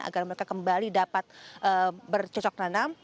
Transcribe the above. agar mereka kembali dapat bercocok tanam